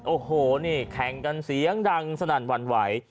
โอ้โหนี่แข่งกันเสียงดังสนั่นหวั่นไหว